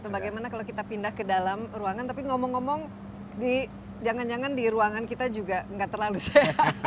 bagaimana kalau kita pindah ke dalam ruangan tapi ngomong ngomong jangan jangan di ruangan kita juga nggak terlalu